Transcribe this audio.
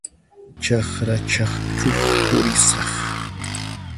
Chakra ch'aqchuq purisaq.